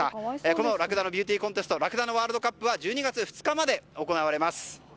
このラクダのビューティーコンテストはワールドカップは１２月２日まで行われます。